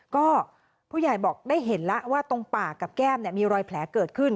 ก็ผู้ใหญ่บอกได้เห็นแล้วว่าตรงปากกับแก้มมีรอยแผลเกิดขึ้น